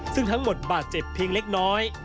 ซึ่งทั้งหมดบาดเจ็บเพียงเล็กน้อย